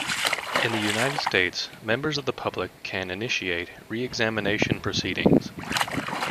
In the United States, members of the public can initiate reexamination proceedings.